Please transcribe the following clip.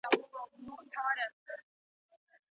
څنګه افغان صادروونکي قیمتي ډبرې عربي هیوادونو ته لیږدوي؟